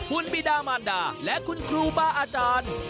คุณบิดามานดาและคุณครูบาอาจารย์